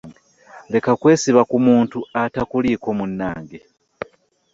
Leka kwesiba ku muntu atakuliiko munnange.